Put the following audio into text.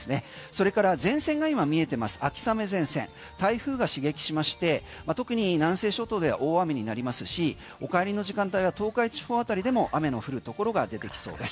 それから前線が今見えてます秋雨前線台風が刺激しまして特に南西諸島で大雨になりますしお帰りの時間帯は東海地方あたりでも雨の降るところが出てきそうです。